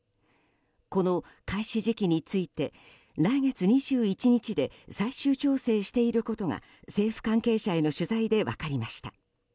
この開始時期について来月２１日で最終調整していることが政府関係者への取材で分かりました。